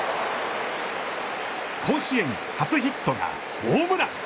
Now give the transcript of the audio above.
甲子園初ヒットがホームラン！